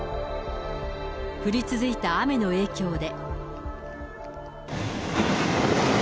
降り続いた雨の影響で。